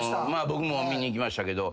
僕も見に行きましたけど。